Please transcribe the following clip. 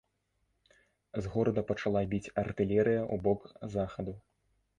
З горада пачала біць артылерыя ў бок захаду.